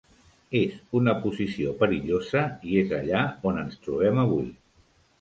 És una posició perillosa i és allà on ens trobem avui.